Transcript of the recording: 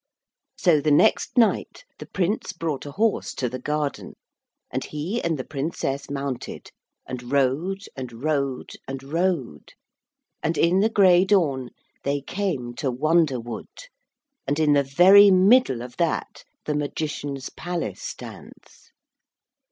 So the next night the Prince brought a horse to the garden, and he and the Princess mounted, and rode, and rode, and rode, and in the grey dawn they came to Wonderwood, and in the very middle of that the Magician's Palace stands.